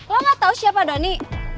lo gak tau siapa dhani